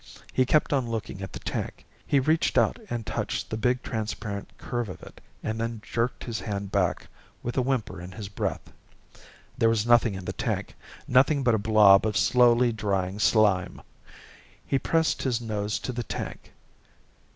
He kept on looking at the tank. He reached out and touched the big transparent curve of it and then jerked his hand back with a whimper in his breath. There was nothing in the tank, nothing but a blob of slowly drying slime. He pressed his nose to the tank.